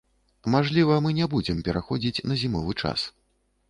Мажліва, мы не будзем пераходзіць на зімовы час.